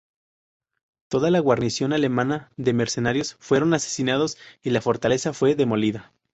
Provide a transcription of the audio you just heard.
Toda la guarnición alemana de mercenarios fueron asesinados y la fortaleza fue demolida.